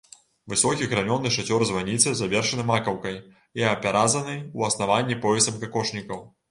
Высокі гранёны шацёр званіцы завершаны макаўкай і апяразаны ў аснаванні поясам какошнікаў.